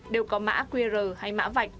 đều có mã qr hay mã vạch